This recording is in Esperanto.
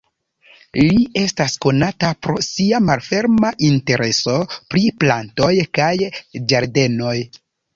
Li estas konata pro sia malferma intereso pri plantoj kaj ĝardenoj.